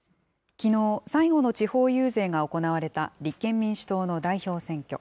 きのう、最後の地方遊説が行われた立憲民主党の代表選挙。